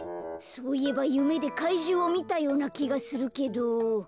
そういえばゆめでかいじゅうをみたようなきがするけど。